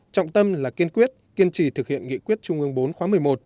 trọng tâm là kiên quyết kiên trì thực hiện nghị quyết trung ương bốn khóa một mươi một